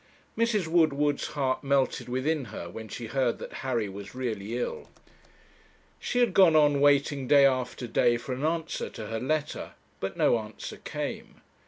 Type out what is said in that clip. Mrs. Woodward's heart melted within her when she heard that Harry was really ill. She had gone on waiting day after day for an answer to her letter, but no answer came.